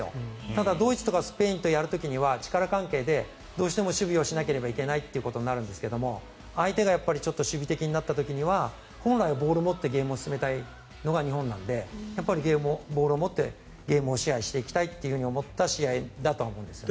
ただドイツとスペインとやる時は力関係でどうしても守備をしなければいけないということになるんですが相手が守備的になった時には本来ボールを持って進めたいのが日本なのでボールを持ってゲームを支配していきたいと思った試合だったのかもですね。